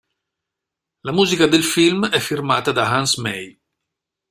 La musica del film è firmata da Hans May.